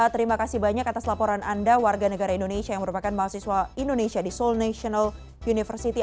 terima kasih banyak atas laporan anda warga negara indonesia yang merupakan mahasiswa indonesia di seoul national university